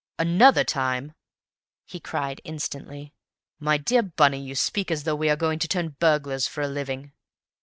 "Another time!" he cried instantly. "My dear Bunny, you speak as though we were going to turn burglars for a living!"